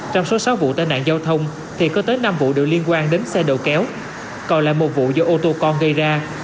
trong số sáu vụ tai nạn giao thông thì có tới năm vụ được liên quan đến xe đầu kéo còn là một vụ do ô tô con gây ra